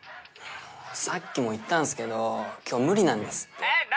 さっきも言ったんすけど今日無理なんですってえっ何？